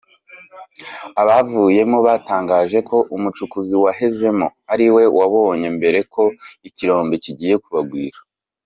Abavuyemo batangaje ko “umucukuzi wahezemo ariwe wabonye mbere ko ikirombe kigiye kubagwira